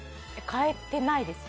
変えてないです。